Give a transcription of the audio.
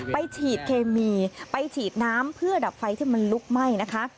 ไปฉีดเคมีไปฉีดน้ำเพื่อดับไฟที่มันลุกไหม้นะคะ